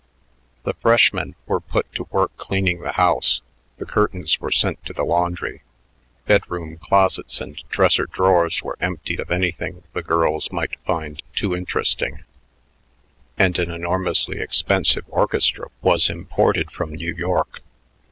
The freshmen were put to work cleaning the house, the curtains were sent to the laundry, bedroom closets and dresser drawers were emptied of anything the girls might find too interesting, and an enormously expensive orchestra was imported from New York.